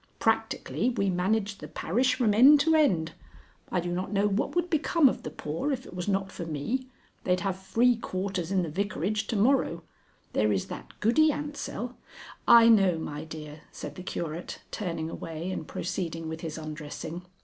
Practically, we manage the parish from end to end. I do not know what would become of the poor if it was not for me. They'd have free quarters in the Vicarage to morrow. There is that Goody Ansell " "I know, my dear," said the Curate, turning away and proceeding with his undressing.